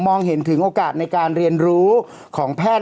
เห็นถึงโอกาสในการเรียนรู้ของแพทย์